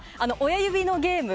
親指のゲーム